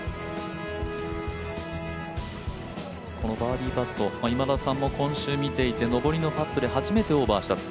このバーディーパット、今田さんも今週見ていて上りのパットで初めてオーバーしたと。